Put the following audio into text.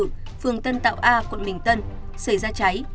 phường tân tạo a quận bình tân xảy ra cháy